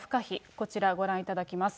こちらご覧いただきます。